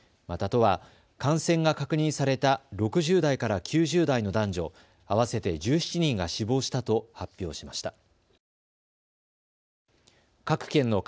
また都は感染が確認された６０代から９０代の男女合わせて１７人が死亡したと発表しました。